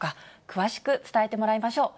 詳しく伝えてもらいましょう。